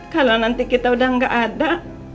kalau nanti kita udah gak ada